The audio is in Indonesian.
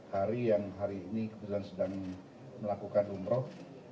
hari yang hari ini kebetulan sedang melakukan umroh